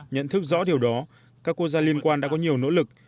nhận thức rõ điều đó các quốc gia liên quan đã có nhiều nỗ lực